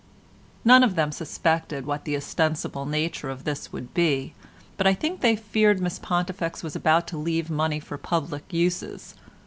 None of them suspected what the ostensible nature of this would be, but I think they feared Miss Pontifex was about to leave money for public uses.